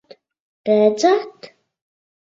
Redzat?